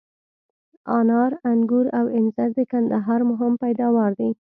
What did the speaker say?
انار، آنګور او انځر د کندهار مهم پیداوار دي.